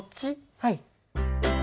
はい。